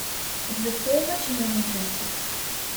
It was so much more interesting.